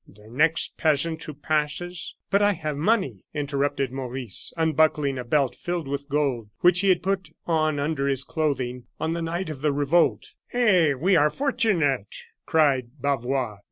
The next peasant who passes " "But I have money," interrupted Maurice, unbuckling a belt filled with gold, which he had put on under his clothing on the night of the revolt. "Eh! we are fortunate!" cried Bavois.